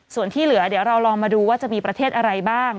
ส่วนที่เหลือเดี๋ยวเราลองมาดูว่าจะมีประเทศอะไรบ้าง